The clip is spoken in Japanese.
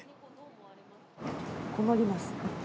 困ります。